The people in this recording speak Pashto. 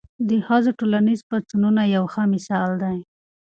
د ښځو ټولنیز پاڅونونه یو ښه مثال دی.